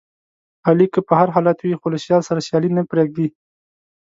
علي که په هر حالت وي، خو له سیال سره سیالي نه پرېږدي.